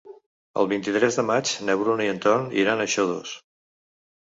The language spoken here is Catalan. El vint-i-tres de maig na Bruna i en Ton iran a Xodos.